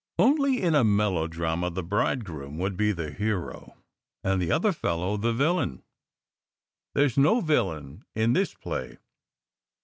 Only, in a melodrama, the bridegroom would be the hero, and the other fellow the villain. There s no villain in this play."